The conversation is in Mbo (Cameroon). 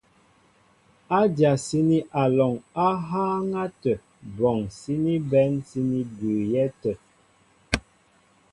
Adyasíní alɔŋ á hááŋ átə bɔŋ síní bɛ̌n síní bʉʉyɛ́ tə̂.